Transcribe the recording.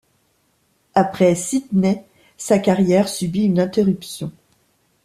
Après Sydney, sa carrière subit une interruption.